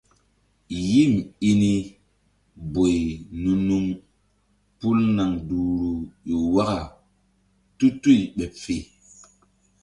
Yim i ni boy nu-nuŋ pul naŋ duhru ƴo waka tutuy ɓeɓ fe.